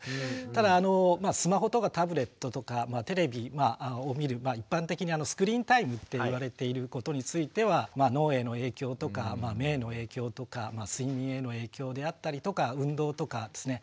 ただスマホとかタブレットとかテレビを見る一般的にスクリーンタイムって言われていることについては脳への影響とか目への影響とか睡眠への影響であったりとか運動とかですね